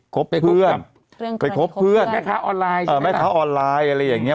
เพื่อนไปคบเพื่อนแม่ค้าออนไลน์แม่ค้าออนไลน์อะไรอย่างเงี้